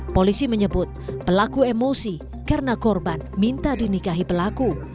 polisi menyebut pelaku emosi karena korban minta dinikahi pelaku